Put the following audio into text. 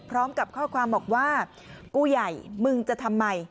พร้อมกับข้อความบอกว่ากูใหญ่มึงจะทำไม